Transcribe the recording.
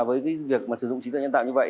với việc sử dụng trí tuệ nhân tạo như vậy